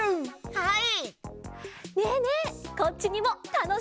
はい！